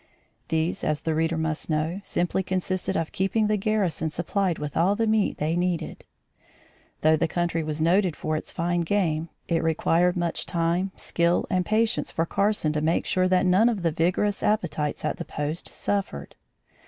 These, as the reader must know, simply consisted of keeping the garrison supplied with all the meat they needed. Though the country was noted for its fine game, it required much time, skill and patience for Carson to make sure that none of the vigorous appetites at the post suffered.